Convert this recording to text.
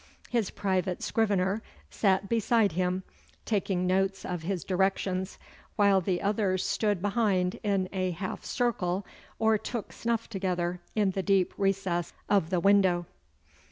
His private scrivener sat beside him, taking notes of his directions, while the others stood behind in a half circle, or took snuff together in the deep recess of the window.